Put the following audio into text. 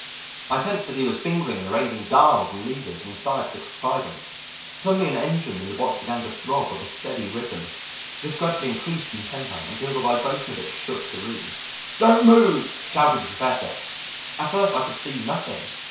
"I sensed that he was fingering and arranging dials and levers on the side of the contrivance. Suddenly an engine in the box began to throb with a steady rhythm. This gradually increased in tempo until the vibration of it shook the room. "'Don't move,' shouted the Professor. "At first I could see nothing.